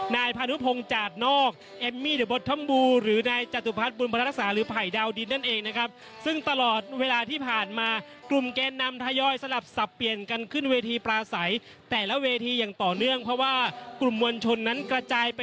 นายพระนุพงศ์จากนอกแอมมี่เดียวบดธรรมบูหรือนายจัตุภัทรปุรประทักษะหรือไผ่ดาวดินนั่นเองนะครับ